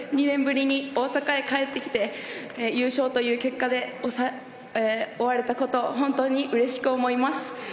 ２年ぶりに大阪へ帰ってきて優勝という結果で終われたこと本当にうれしく思います。